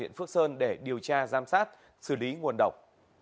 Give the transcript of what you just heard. viện phước sơn để điều tra giam sát xử lý nguồn độc